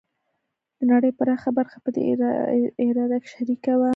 د نړۍ پراخه برخه په دې اراده کې شریکه وه.